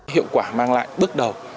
hiệu quả mang lại bước đầu